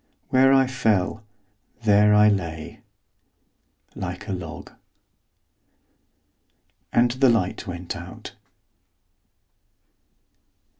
Where I fell, there I lay, like a log. And the light went out.